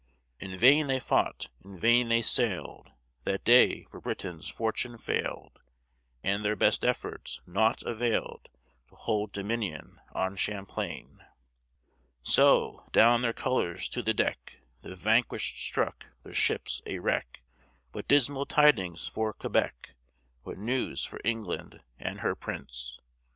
In vain they fought, in vain they sailed, That day; for Britain's fortune failed, And their best efforts naught availed To hold dominion on Champlain. So, down their colors to the deck The vanquished struck their ships a wreck What dismal tidings for Quebec, What news for England and her prince!